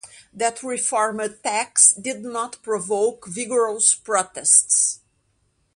That reformed tax did not provoke vigorous protests.